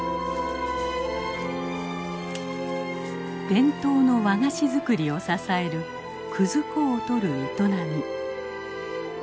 伝統の和菓子作りを支える葛粉を採る営み。